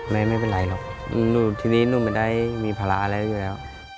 ไม่เป็นไรหรอกทีนี้หนูไม่ได้มีภาระอะไรอยู่แล้ว